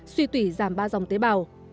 suy tủy giảm ba dòng tế bào